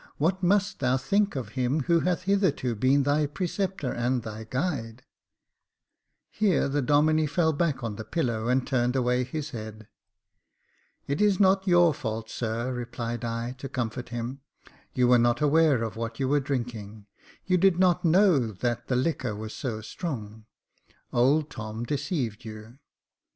what must thou think of him who hath hitherto Jacob Faithful 125 been thy preceptor and thy guide !" Here the Domine fell back on the pillow, and turned away his head. " It is not your fault, sir," replied I, to comfort him ; "you were not aware of what you were drinking — you did not know that the liquor was so strong. Old Tom deceived you."